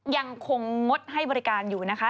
ยังคงงดให้บริการอยู่นะคะ